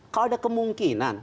kalau ada kemungkinan